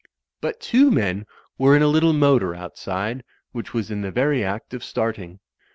But two men were in a little motor out side, which was in the very act of starting.